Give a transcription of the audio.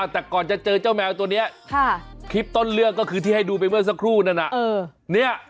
แต่ก่อนจะเจอเจ้าแมวตัวนี้คลิปต้นเรื่องก็คือที่ให้ดูไปเมื่อสักครู่นั้น